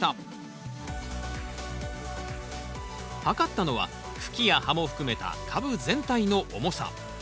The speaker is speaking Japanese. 量ったのは茎や葉も含めた株全体の重さ。